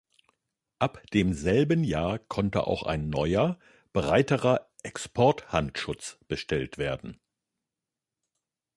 Ab demselben Jahr konnte auch ein neuer, breiterer „Export“-Handschutz bestellt werden.